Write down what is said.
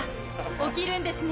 起きるんですね！